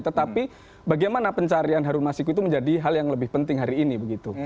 tetapi bagaimana pencarian harun masiku itu menjadi hal yang lebih penting hari ini begitu